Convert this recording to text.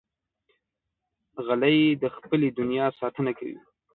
غلی، د خپلې دنیا ساتنه کوي.